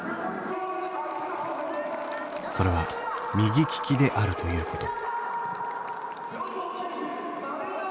それは「右利き」であるということ。